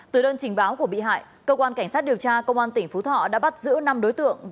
từ đơn trình báo của bị hại cơ quan cảnh sát điều tra công an tỉnh phú thọ đã bắt giữ năm đối tượng